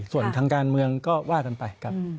ส่วนทางการเมืองก็ว่ากันไปครับ